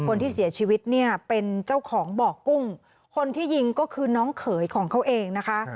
คนที่เสียชีวิตเนี่ยเป็นเจ้าของบ่อกุ้งคนที่ยิงก็คือน้องเขยของเขาเองนะคะ